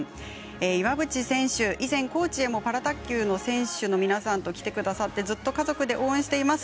岩渕選手、以前、高知へもパラ卓球の選手の皆さんと来てくださってずっと家族で応援しています。